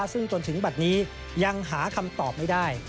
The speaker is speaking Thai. ซึ่งจนถึงบัตรนี้ยังหาคำตอบไม่ได้